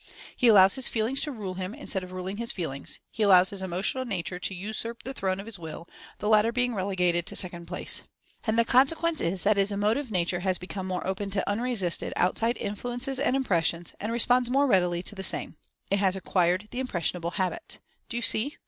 He allows his "feelings" to rule him, instead of ruling his feelings — he allows his Emotional Nature to usurp the throne of his Will, the latter being relegated to second place. And the consequence is that his Emotive nature has become more open to unresisted, outside influences and impressions and responds more readily to the same — it has acquired the "impressionable" habit. Do you see?